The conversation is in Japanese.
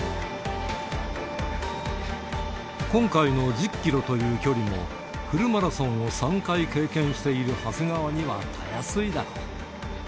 今回の１０キロという距離も、フルマラソンを３回経験している長谷川にはたやすいだろう。